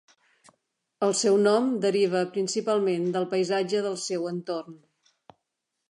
El seu nom deriva principalment del paisatge del seu entorn.